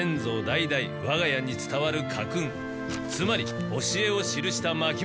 代々わが家につたわる家訓つまり教えを記したまきものだ。